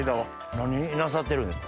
何なさってるんですか？